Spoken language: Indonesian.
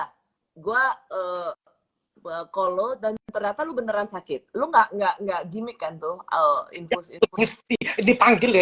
ke kolo dan ternyata lu beneran sakit lu enggak enggak gimik kan tuh al infus itu dipanggil ya